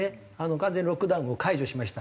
完全にロックダウンを解除しました。